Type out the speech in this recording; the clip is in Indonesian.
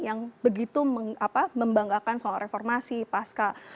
yang begitu membanggakan soal reformasi pasca